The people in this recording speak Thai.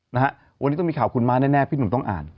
นะฮะวันนี้ต้องมีข่าวคุณม้าแน่พี่หนุ่มต้องอ่าน